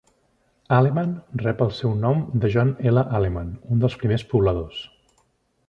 Alleman rep el seu nom de John L. Alleman, un dels primers pobladors.